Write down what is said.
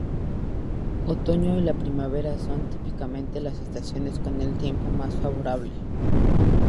Otoño y la primavera son típicamente las estaciones con el tiempo más favorable.